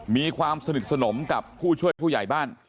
มีความสนิทสนมกับผู้ช่วยผู้ใหญ่บ้าน